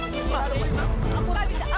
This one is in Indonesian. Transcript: kamu diri apa